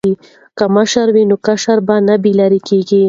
که مشر وي نو کشر نه بې لارې کیږي.